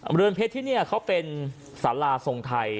บริเวณเพชรที่นี่เขาเป็นสาราสงฆ์ไทย